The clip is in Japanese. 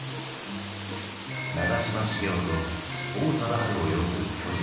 長嶋茂雄と王貞治を擁する巨人。